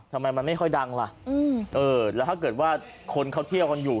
ทำไมมันไม่ค่อยดังล่ะแล้วถ้าเกิดว่าคนเขาเที่ยวกันอยู่